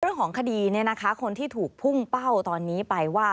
เรื่องของคดีคนที่ถูกพุ่งเป้าตอนนี้ไปว่า